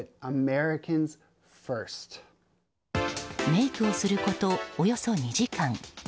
メイクをすることおよそ２時間。